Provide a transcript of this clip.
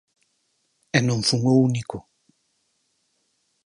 E non fun o único.